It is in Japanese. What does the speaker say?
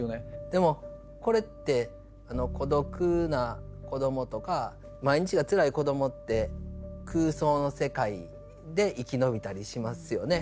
でもこれって孤独な子どもとか毎日がつらい子どもって空想の世界で生き延びたりしますよね。